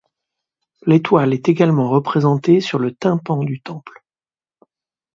L'étoile est également représentée sur le tympan du temple.